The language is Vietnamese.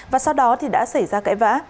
và sau đó thì đã xảy ra cãi vã